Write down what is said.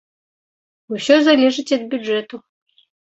Усё залежыць ад бюджэту.